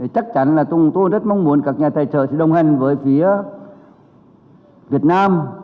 chắc chắn là chúng tôi rất mong muốn các nhà tài trợ sẽ đồng hành với phía việt nam